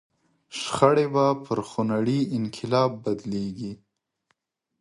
شخړې به پر خونړي انقلاب بدلېږي.